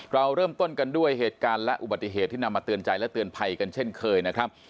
เราเริ่มต้นกันด้วยเหตุการณ์และอุบัติเหตุที่นำมาเตือนใจและเตือนภัยกันเช่นเคยนะครับ